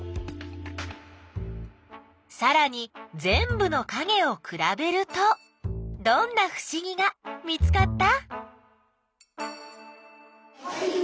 さらにぜんぶのかげをくらべるとどんなふしぎが見つかった？